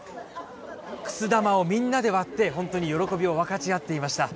くす玉をみんなで割って喜びを分かち合っていました。